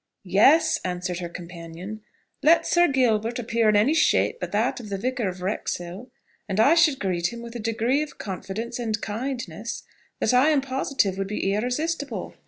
"Yes," answered her companion, "let Sir Gilbert appear in any shape but that of the Vicar of Wrexhill, and I should great him with a degree of confidence and kindness that I am positive would be irresistible."